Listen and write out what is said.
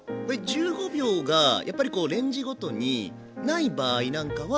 １５秒がやっぱりこうレンジごとに無い場合なんかは。